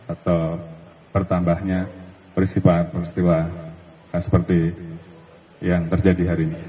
atau bertambahnya peristiwa peristiwa seperti yang terjadi hari ini